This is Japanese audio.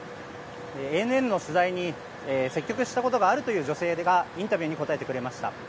ＡＮＮの取材に接触したことがあるという女性がインタビューに答えてくれました。